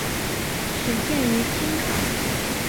始建于清朝。